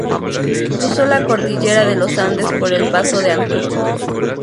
Cruzó la cordillera de los Andes por el Paso de Antuco.